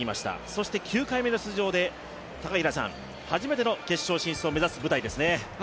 そして９回目の出場で初めての決勝進出を目指す舞台ですね。